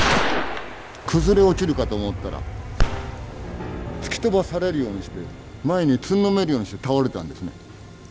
崩れ落ちるかと思ったら突き飛ばされるようにして前につんのめるようにして倒れたんですね。